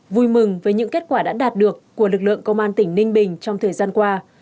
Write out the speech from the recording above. vui mừng với những kết quả đã đạt được của lực lượng công an tỉnh ninh bình trong thời gian qua